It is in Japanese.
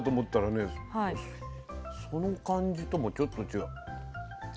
その感じともちょっと違う。